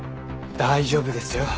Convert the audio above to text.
大丈夫ですよ。